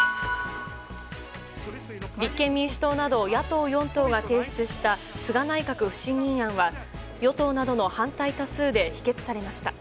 立憲民主党など野党４党が提出した菅内閣不信任案は与党などの反対多数で否決されました。